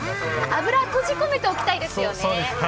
脂は閉じ込めておきたいですよね。